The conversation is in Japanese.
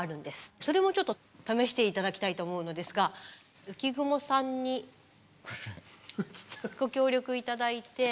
それもちょっと試して頂きたいと思うのですが浮雲さんにご協力頂いて。